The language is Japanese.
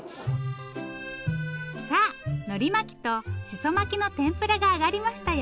さあのり巻きとしそ巻きの天ぷらが揚がりましたよ。